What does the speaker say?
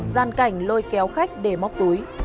giàn cảnh lôi kéo khách để móc túi